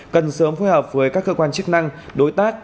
cần sớm phối hợp với các cơ quan chức năng đối tác